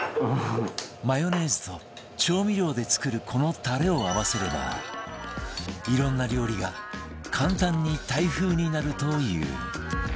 マヨネーズと調味料で作るこのタレを合わせればいろんな料理が簡単にタイ風になるという